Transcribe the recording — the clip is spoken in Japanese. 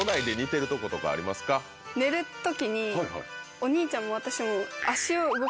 お兄ちゃんも私も。